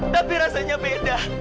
tapi rasanya beda